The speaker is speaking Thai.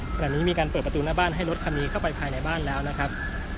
ขณะนี้มีการเปิดประตูหน้าบ้านให้รถคันนี้เข้าไปภายในบ้านแล้วนะครับ